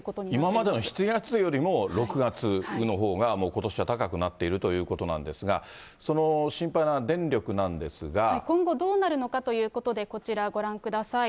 今までの７月よりも、６月のほうが、もうことしは高くなっているということなんですが、今後、どうなるのかということで、こちら、ご覧ください。